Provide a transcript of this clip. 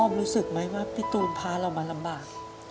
รู้สึกไหมว่าพี่ตูนพาเรามาลำบาก